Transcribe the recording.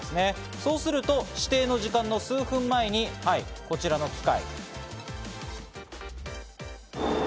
そうすると指定の時間の数分前にこちらの機械。